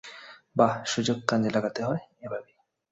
বাহ, সুযোগ কাজে লাগাতে হয় এভাবেই!